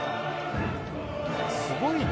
すごいね。